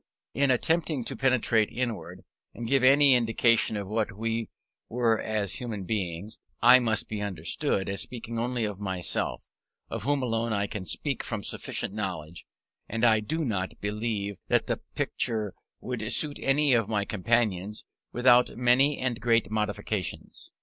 In attempting to penetrate inward, and give any indication of what we were as human beings, I must be understood as speaking only of myself, of whom alone I can speak from sufficient knowledge; and I do not believe that the picture would suit any of my companions without many and great modifications.